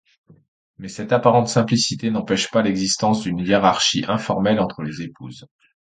Mais cette apparente simplicité n’empêche pas l'existence d'une hiérarchie informelle entre les épouses.